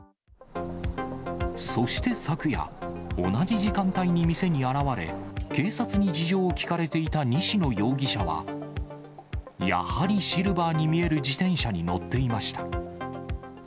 そして昨夜、同じ時間帯に店に現れ、警察に事情を聴かれていた西野容疑者は、やはりシルバーに見える自転車に乗っていました。